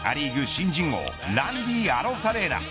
新人王ランディー・アロサレーナ。